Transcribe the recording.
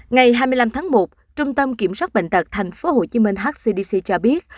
ngày hai mươi năm tháng một trung tâm kiểm soát bệnh tật tp hcm hcdc cho biết